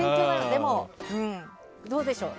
でも、どうでしょう。